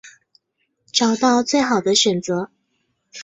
找到最好的选择